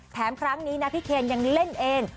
แถมครั้งนี้นะพี่เคนยังเล่นเอง